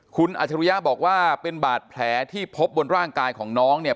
คุณอัจฉริยะบอกว่าเป็นบาดแผลที่พบบนร่างกายของน้องเนี่ย